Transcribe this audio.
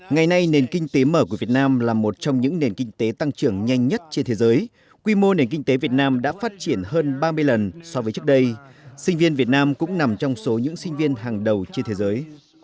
ngày nay nền kinh tế mở của việt nam là một trong những nền kinh tế tăng trưởng nhanh nhất trên thế giới quy mô nền kinh tế việt nam đã phát triển hơn ba mươi lần so với trước đây sinh viên việt nam cũng nằm trong số những sinh viên hàng đầu trên thế giới